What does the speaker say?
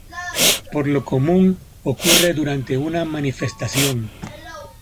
Por lo común, ocurre durante una manifestación.